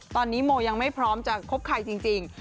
ตอนนี้โมยังไม่พร้อมจะคบใครจริง